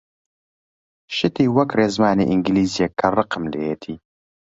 شتی وەک ڕێزمانی ئینگلیزییە کە ڕقم لێیە!